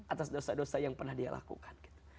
atas dosa dosa yang pernah dia lakukan